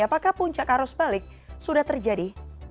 apakah puncak arus balik sudah terjadi